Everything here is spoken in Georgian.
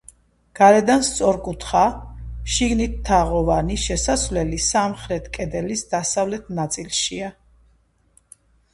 გარედან სწორკუთხა, შიგნიდან თაღოვანი შესასვლელი სამხრეთ კედლის დასავლეთ ნაწილშია.